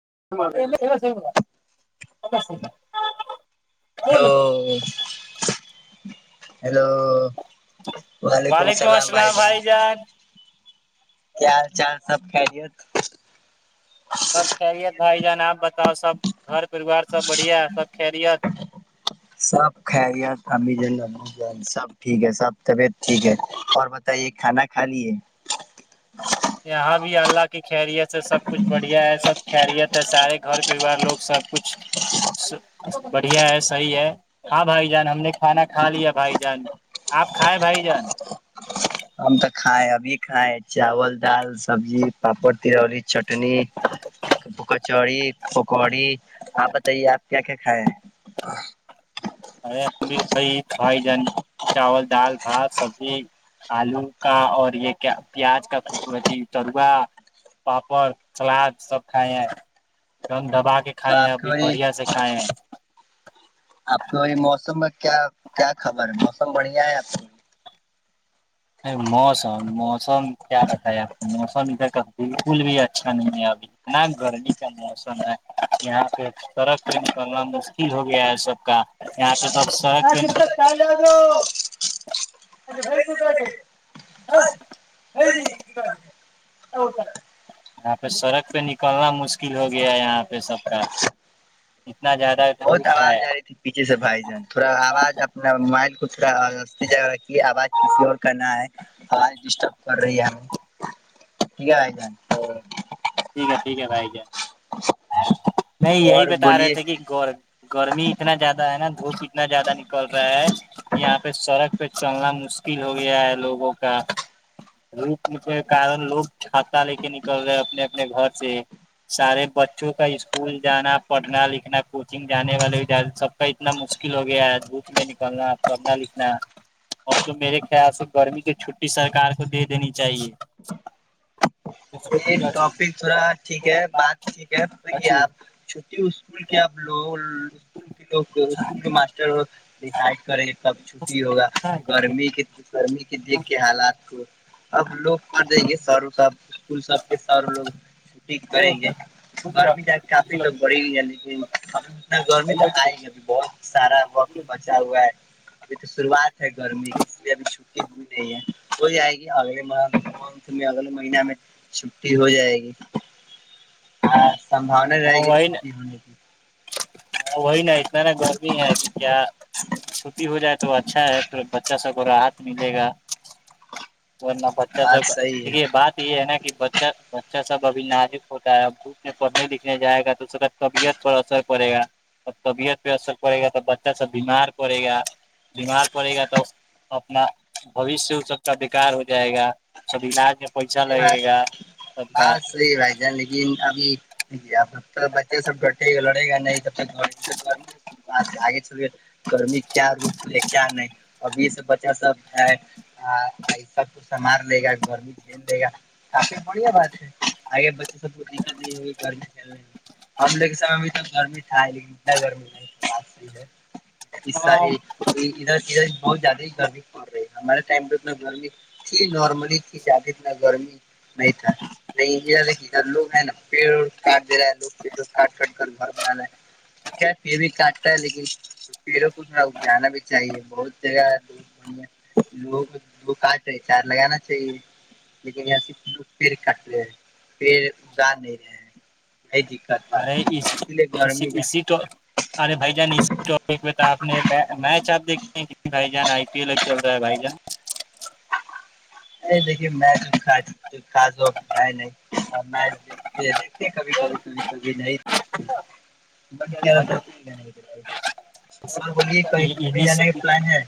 [unintelligible] [unintelligible] hello وعلیکم السلام بھائی جان کیا حال چال سب خیریت سب خھیلت بھائی جان آپ بتاؤ سب گھر پریوار سب بڑھیا سب خھیلت سب خیریت امی جان ابو سب ٹھیک ہے سب طبیعت ٹھیک ہے اور بتائیے کھانا کھا لیے یہاں بھی اللہ کی خیریت ہے سب کچھ بڑھیا ہے سب خیریت ہے سارے گھر پریوار لوگ سب کچھ بڑھیا ہے صحیح ہے ہاں بھائی جان ہم نے کھانا کھا لیا بھائی جان آپ کھائے بھائی جان [unintelligible] ہم تو کھ ابھی کھائے ہیں چاول دال سبزی پاپڑ تلوڑی چٹنی کچڑی پکوڑی آپ بتائیے آپ کیا کیا کھائے ہیں ہ ارھائی جان چاول دال بھات سبزی آلو کا اور یہ کیا پیاز کا خکتی ترووا پاپڑ سلاد سب کھاائے ہیں گم دھبا تو کھائے ہیں آپ ابھی کے بڑھیا سے کھائے ہیں کوئی موسم میں کیا کیا خبر ہے موسم بڑھیا ہے آ موسم موسم کیا بتائے آپ کو موسم ادھر کا بالکل بھی اچھا نہیں ہے اب اتنا گرمی کا موسم ہے یہاں پہ سڑک پہ نکلنا مشکل ہو گیا ہے سب کا یہاں پہ س س یہاں پہ سڑک پہ نکلنا مشکل ہو گیا یہاں پہ سب کا اتنا زیادہ بہت دھوپ آواز ہے آ رہی تھی پیھے سے بھائی تھوڑا آواز اپنا مائل کا جا آواز کسی اور کا نہ ہے آواز ڈسٹرب کر رہی ہم ٹھیک ہے ہے تھ ٹھیک ہے ٹھیک ہے بھائی ج نہیں تو یہی اور بتا رہے بولیے تھے کہ گور گرمی اتنا زیادہ ہے نا دھوپ اتنا زیادہ نکل رہا ہے کہ یہاں پہ سڑک پہ چلنا مشکل ہو گیا ہے لوگوں کا دوپ کے کارن لوگ چھاتات ل نکل رہے اپنے اپنے گھر سے سارے بچوں کا اسکول جانا پڑھنا لکھنا کوچنگ جانے والے سب کا اتنا مشکل ہو گیا ہے دھوپ میں نکلنا پڑھنا لکھنا اب تو میرے خیال سے گرمی کی چھٹی سرکار کو دے دینی چاہیے یہ ٹاپک تھوڑا ٹھیک ہے بات ٹھیک ہے آپ چھٹی اسکول کی آپ لوگ اسکول کے لو اسکول کے ماٹر ڈسائڈ کری سب چھٹی ہوگا گرمی کے گرمی کی دیکھ کے حالات کو اب لوگ کر جائیں گے ش روخ صاحب اسکول سب کے سر لوگ چھٹی کریں گے گرمی کافی تو بڑی ہے لیکن ابھی اتنا گرمی تو آئے گی اب بہت سارا وقت بچا ہاں ہوا ہے ا تو شروعات ہے گرمی کی اس لیے ابھی چھٹی ہوئی نہیں ہے ہو جائے گی اگلے منتھ میں اگلے مہینہ میں چھٹی ہو جائے گی ہ سمباونا رہے گی وہی چھٹی ہونے کی وہی نا اتنا نا گرمی ہے کہ کیا چھٹی ہو جائے تو اچھا ہے تھا بچہ سب کو راحت ملے گا ورننا بچہ بات سک صحیح دیکے بات یہ ہے نا کہ بچہ سب ابھی نازجک ہوتا ہے اب بھو میں پڑھنے لکھنے جائے گا تو اس کا طبیعت پر اثر پڑے گا ا طبیعت پہ اثر پڑے گا تو بچہ سب بیمار پڑے گا بیمار پڑے گا تو اپنا بوشیہ اس سب کا بیکار ہو جائے گا سب علاج پیسہ لگے بھائی گا سب کا بس یہی بھائی جان لیکن ابھی جب سب تو بچے سب ڈٹےا لڑے گا نہیںب گ آگے چل گرمی کیا روپ ہے کیا نہیں ابھی سے بچا سب ایسا کو سنار لے گا گرمی ے گا کافی بڑھیا بات ہے آگے بچے سب کو دقت نہیں ہوی گرمی چلنے میں ہمم لو کے سمے میں بھی تو گرمی تھا لیکن اتنا گرمی نہیں ہے قصہ تمام ہے تو ادھر ادھر بہت زیادہ ہی گرمی پڑ رہی ہے ہمارے ٹائم پ انا گرمی تھی نارملی تھی زیادہ اتنا گرمی نہیں تھا نہیںیک لوگ ہے نا پڑ کاٹ دے رہا ہے لوگ پڑ کاٹ کرٹ کر گھر بنا رہے ٹھیک ہے پڑ بھی کاٹ رہ ہے لیکن پڑوں کو تھوڑا جانا بھی چاہیے بہت جگہ ہے لوگ لوگ لگ کاٹ رہے چار لگانا چاہیے لیکن ایس لوگ پڑ کٹ رہے ہیں پیڑ اگار نہیں رہے ہیں ب ارے اس اسی ارے بھائی جان اسی ٹاپ میں تو آپ نے میچ آپ دیکھے ہیں بھائی جان آئی پی ایل ہے بھائی ج ا دیکھیے میں کاص ہو ہے نہیںچ دیکھتے دیکھتے کبھی کبھی کبھی کبھی نہیں ند کیا جان اور بولیے کہیں گومنے جانے کا پلان ہے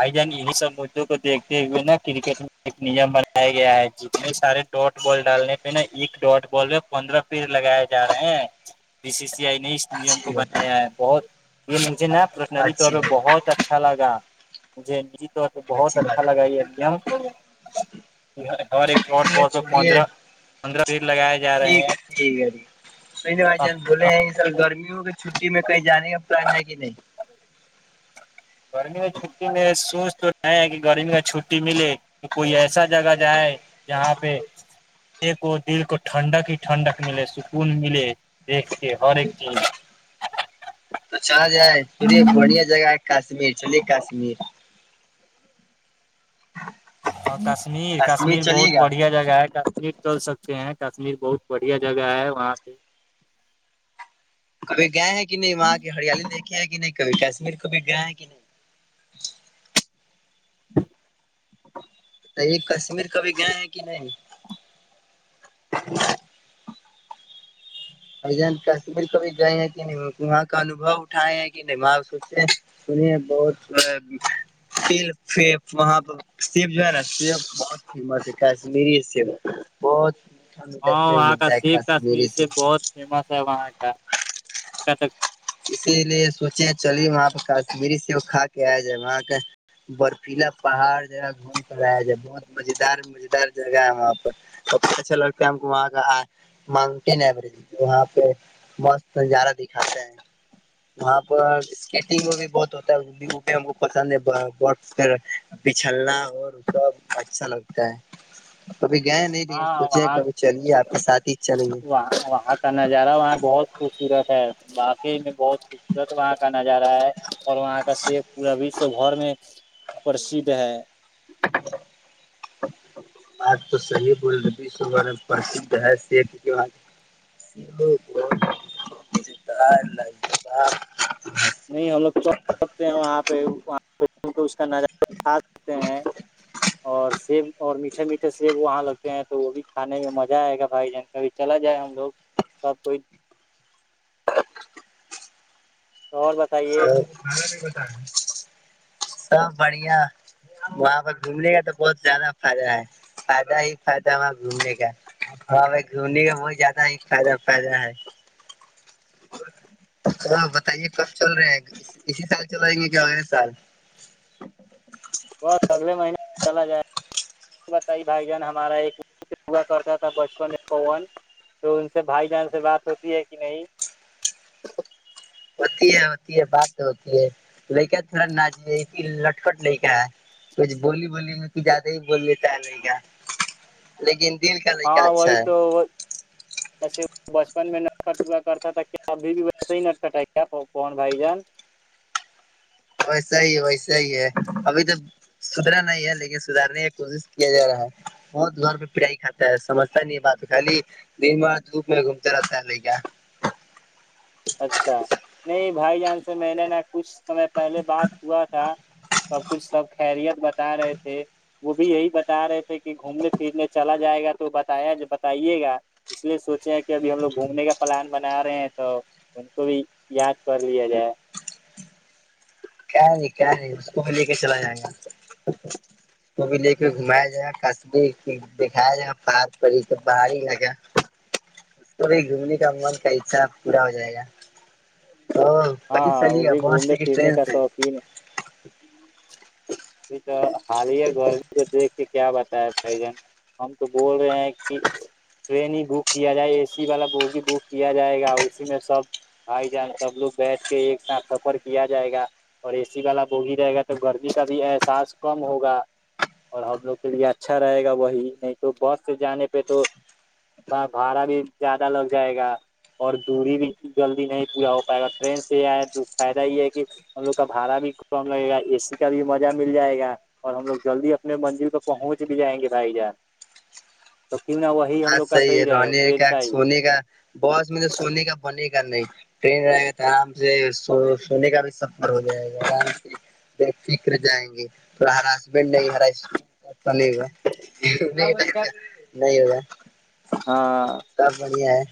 بھائی جان یہی سب مدوں کو دیکتے ہوئے نا کرکٹ میں ایک نیم بنایا گیا ہے جس میں سارے ڈاٹ بال ڈالنے پہ نا ایک ڈاٹ بال میں پندرہ پیر لگائے جا رہے ہیں بیی سی سی آئی نے نیم کو اچھی بات بنایا ہے بہت یہ مجھے نا پرسنلی طور اچھی پہ بات بہت اچھا لگا [unintelligible] تو بہت اچھی بات اچھا لگا یہ دم ہ ایک ٹھیک ہے پندرہ چھوڑیے پندرہ پٹ لگائے جا رہے ہیں سوئینے بھائی اب جان بھولے ہیں سر گرمیوں کے چھٹی میں کہیں جانے کا پلان ہے کہ نہیں گرمی کی چھٹی میر سوچ تو رہ کہ گرمی کا چھٹی ملے تو کوئی ایسا جگہ جائے جہاں پہ دیکھو دل کو ٹھنڈک ہی ٹھنڈک ملے سکون ملے دیکھ کے ہر ایک چیز تو چاں ج ہے سور بڑھیا جگہ ہے کشمیر چلیے کاشمییر اور کشمیر کشمیر بہت چلیے گا بڑھیا جگہ ہے کشمیر چل سکتے ہیں کشمیر بہت بڑھیا جگہ ہے وہاں پہ کبھی گ ہے کنی وہاں کہ ہریالی دھے کہ کبھی کشمیر کبھی گ ہے کہ نہیں [unintelligible] تو یہ کشمیر کبھی گئے ہیں کہ نہیں ا جان کشمیر ک بھی گئے ہیں کہ نہیں وہاں کا انوھو اٹھائے ہیں کہ نہیںاں سوچتے سنیے بہت وہاں پہ شیب جو ہے نا شی بہت فیمس ہے کشمیری شی بہت میٹھا ہاں سیب وہاں کا ملتا ہے سیب کشمییر کشمیری سے سیب بہت فیمس ہے وہاں کا ک [unintelligible] اسی لیے سوچے چلیے وہاں پہ کشمیری سے وہ کھا کے آیا جائے وہاں کا برفیلا پہاڑ جگہ گھوم کر آیا جائے بہت مزار مزیدار جگہ ہے وہاں پر ب اچھا لگتا ہے ہم کو وہاں کا ماؤنٹین اییج وہاں پہ مجارہ دکھاتے ہیں وہاں پر اسکیٹنگ وہ بھی بہت ہوتا ہے ہم کو پسند ہے ب پ بچھلنا اور اس کا اچھا لگتا ہے کبھی گئے نہیں لیکن ہاں سوچے وہاں کبھی چلیے آپ کے ساتھ ہی چلیے وہاں کا نظارہ وہاں بہت خوبصورت ہے باقی میں بہت خوبصورت وہاں کا نظارہ ہے اور وہاں کا شیک پورا وشو بھر میں پرسھ ہے بات تو صحی بول رہے س پرھ ہےتتا نہیں ہم لوگ چ سکتے ہیں وہاں پہ [unintelligible] کرنا چاہ کھا سکتے ہیں اور سیب اور میٹھے میٹھے سیب وہاں لگتے ہیں تو وہ بھی کھانے میں مزہ آئے گا بھائی جان کابھی چلا جائے ہم لوگ سب کوئی توو ب تو ب [unintelligible] سب بڑھیا وہاں پہ گھومنے کا تو بہت زیادہ فائدہ ہے فائدہ ہی فائدہ وہاںہ گھومنے کا وہاں پہ گھومنے کا بہت زیادہ ہی فائدہ فائدہ ہے ہاں بتائیے کب چل رہا ہے اسی سال چل رہائیں گے کیا اے سال بس اگلے مہینے چلا جائے بت بھائی جان ہمارا ایکا کرتا تھا بچپن پون تو ان سے بھائی جان سے بات ہوتی ہے کہ نہیں ہوتی ہے ہوتی ہے بات ہوتی ہے لیک تھوڑا ناج لٹکٹ نہیں کا ہے کچھ بولی بولی میں ک زیادہ ہی بول لیتا ہے نہیں کا لڑکا ہاں اچھا وہی ہے تو جسے بچپن میں نٹ کٹ ہوا کرتا تھا کیا ابھی بھی ویسے ہی نٹ کٹ کیا کون بھائی جان ویسے ہی ویسے ہی ہے ابھی تو سدھرا نہیں ہے لیکن سدھارنے کوشش کیا جا رہا ہے بہت گھر پہ پٹائی کات سمجھتا نہیں بات خالی دن بار دھوپ میں گھومتا رہتا ہے لے کیا اچھا نہیں بھائی جان سے مل نہ کچھ سمے پہلے بات ہوا تھا سب کچھ سب خیریت بتا رہے تھے وہ بھی یہی ب بتا رہے تھے کہ گھومنے پھرنے چلا جائے گا تو بتایا بتائیے گا اس لیے سوچے کہ کہ ابھی ہم لوگ گھومنے کا پلان بنا رہے ہیں تو ان کو بھی یاد کر لیا جائے کیا نہیں کیا نہیں اس کو بھی لے کے چلا جائے گا اس کو بھی لے کے گھمایا جائے گا کبیر دکھایا جائے گا پارک پر ب لگا تو جومنی کام [unintelligible] کا حصہ پورا ہو جائے گا تو ہاں پلی ہاں چلیے وہ گا بھی بس سے گھومنے کہ پھرنے ٹرین کا سے ج شوقین [inaudible] ج تو خالیہ گور ب کیا بتایا بھائی جان ہم تو بول رہے ہیں کہ ٹرین ہی بک کیا جائے اے سی والا بوگی بک کیا جائے گا اور اسی میں سب بھائی جان سب لوگ بیٹھ کے ایک ساتھ سفر کیا جائے گا اور اے سی والا بوگی رہے گا تو گرمی س احساس کم ہوگا اور ہم لوگ کے لیے اچھا رہے گا وہی نہیں تو بس سے جانے پہ تو بھاڑا بھی زیادہ لگ جائے گا اور دوری بھی جلدی نہیں پورا ہو پائے گا ٹرین سے یہ تو فائدہ یہ ہے کہ ہم لوگ کا بھڑا بھی کم لگے گا اے سی کا بھی م [unintelligible] مل جائے گا اور ہم لوگ جلدی اپنے مندل تک پہنچ بھی جائیں گے بھائی جان تو کیوں نہ وہ ا صای رہنے کا سونے کا بس م توے سونے کا بنے گا نہیں ٹرین رہائے گ تھا سونے کا بھی سب ہو جائے گا آرام سے فکر جائیں گی تو ہرا ہسبینڈ نہیں ہا اسکول ہوا نہیں نہیں ہوگا ہاں [inaudible] سب بڑھیا ہے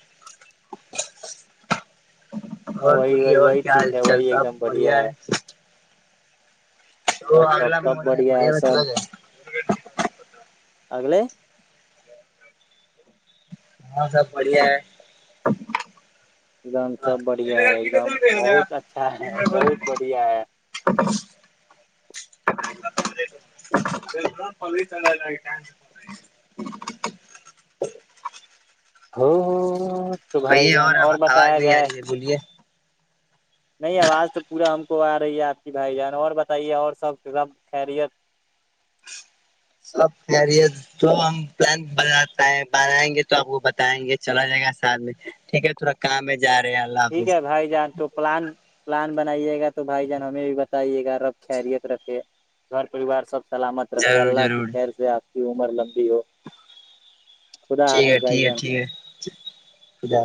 اور وہی بولیے وہی اور وہی کیا ح ٹھیک ہے چل وہی ایک صاح دم بڑھیا ہے تو سب سب آگلہ سب منے بڑھیا مئی ہے بتل سب اگلے ہاں سب بڑھیا ہے ایک دم سب بڑھیا ہے ایک دم بہت اچھا ہے بہت بڑھیا ہے [unintelligible] ہے [inaudible] [unintelligible] [inaudible] کہیے اور جان آواز بتایا نہیں آ جائے رہی ہے بولیے نہیں آواز تو پورا ہم کو آ رہی ہے آپ کی بھائی جان اور بتائیے اور سب سب خیریت سبے تو ہم پلان بناتا ہے بنائیں گے تو آپ کو بتائیں گے چلا جائے گا ساتھ میں ٹھیک ہے تھوڑا کام ہے ٹھیک ہے بھائی جان تو پلان پلان بنائیے گا تو بھائی جان ہمیں بھی بتائیے گا رب خیریت رکھے گھر پریوار سب سے سلامت رکھے ضرور اللہ کی ضرور خیر سے آپ کی عمر لمبی ہو خدا ٹھیک ہے حافظ بھائی ٹھیک جان ہے ٹھیک ہے